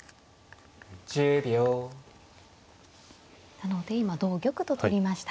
なので今同玉と取りました。